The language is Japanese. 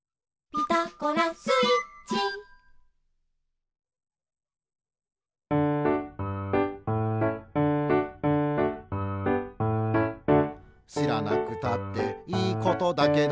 「ピタゴラスイッチ」「しらなくたっていいことだけど」